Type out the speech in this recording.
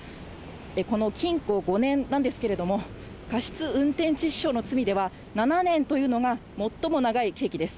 この禁錮５年なんですけれども、過失運転致死傷の罪では、７年というのが最も長い刑期です。